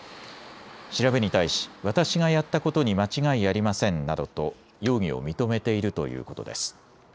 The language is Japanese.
調べに対し私がやったことに間違いありませんなどと容疑を認めているということです。